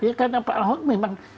ya karena pak ahok memang